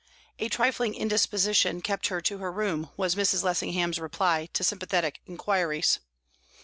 A trifling indisposition kept her to her room, was Mrs. Lessingham's reply to sympathetic inquiries.